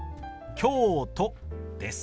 「京都」です。